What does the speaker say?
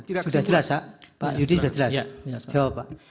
sudah jelas pak yudi sudah jelas jawab pak